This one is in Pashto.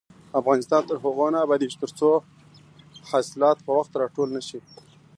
افغانستان تر هغو نه ابادیږي، ترڅو حاصلات په وخت راټول نشي.